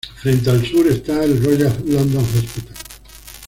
Frente al sur está el Royal London Hospital.